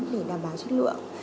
để đảm bảo chất lượng